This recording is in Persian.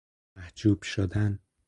محجوب شدن